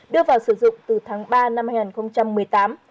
đưa vào sử dụng từ tháng ba năm hai nghìn một mươi tám